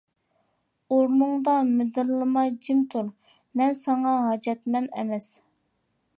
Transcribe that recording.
-ئورنۇڭدا مىدىرلىماي جىم تۇر، مەن ساڭا ھاجەتمەن ئەمەس!